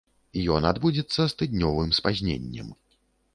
Ён адбудзецца з тыднёвым спазненнем.